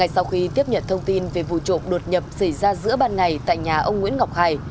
sau khi tiếp nhận thông tin về vụ trộm đột nhập xảy ra giữa ban ngày tại nhà ông nguyễn ngọc hải